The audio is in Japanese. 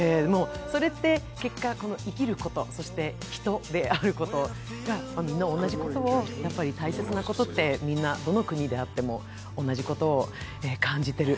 それって結果、生きること、人であること、みんな同じこと、大切なことってどの国であっても同じことを感じている。